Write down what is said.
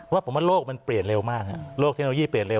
ว่าผมว่าโลกมันเปลี่ยนเร็วมากโลกเทคโนโลยีเปลี่ยนเร็